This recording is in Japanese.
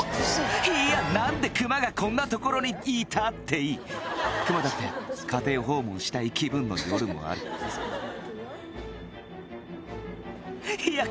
いや何でクマがこんなところにいたっていいクマだって家庭訪問したい気分の夜もあるいや